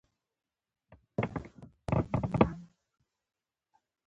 چي نیژدې په یوه کلي کي دهقان دی